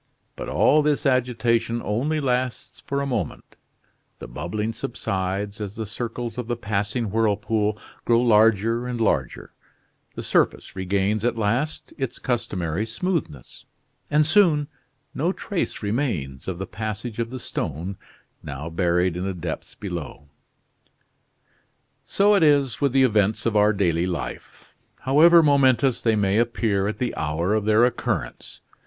But all this agitation only lasts for a moment; the bubbling subsides as the circles of the passing whirlpool grow larger and larger; the surface regains at last its customary smoothness; and soon no trace remains of the passage of the stone, now buried in the depths below. So it is with the events of our daily life, however momentous they may appear at the hour of their occurrence.